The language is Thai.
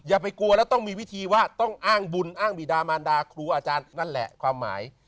อย่าไปกลัวแล้วต้องมีวิธีว่าต้องอ้างบุญอ้างบิดามารดาครูอาจารย์นั่นแหละความหมาย